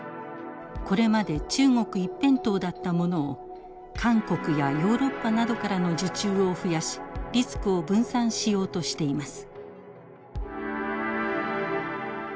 これまで中国一辺倒だったものを韓国やヨーロッパなどからの受注を増やしリスクを分散しようとしています。